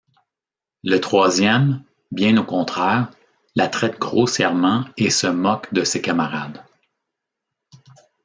Le troisième, bien au contraire, la traite grossièrement et se moque de ses camarades.